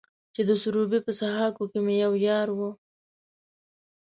چې د سروبي په سهاکو کې مې يو يار و.